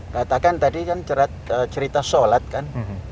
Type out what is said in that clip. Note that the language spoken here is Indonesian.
katakan tadi kan cerita sholat kan